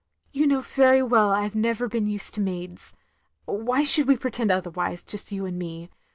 "You know very well I have never been used to maids. Why should we pretend otherwise, just you and me?